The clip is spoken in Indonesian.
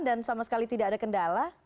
dan sama sekali tidak ada kendala